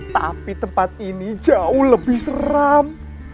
tapi tempat ini jauh lebih seram